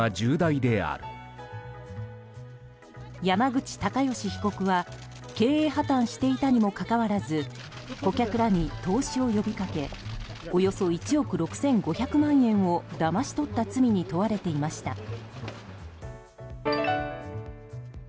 山口隆祥被告は経営破綻していたにもかかわらず顧客らに投資を呼びかけおよそ１億６５００万円をだまし取った罪に問われていました。